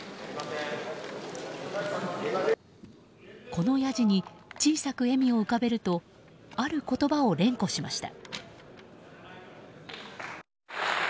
このやじに小さく笑みを浮かべるとある言葉を連呼しました。